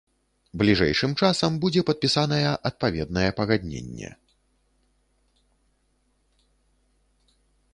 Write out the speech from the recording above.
Бліжэйшым часам будзе падпісаная адпаведнае пагадненне.